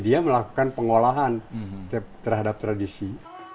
dia melakukan pengolahan terhadap tradisi